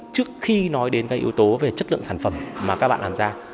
trước khi nói đến các yếu tố về chất lượng sản phẩm mà các bạn làm ra